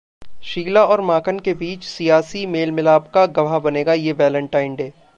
शीला और माकन के बीच सियासी मेल-मिलाप का गवाह बनेगा ये वेलेंटाइन डे!